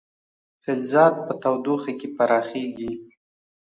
فلزات په تودوخه کې پراخېږي.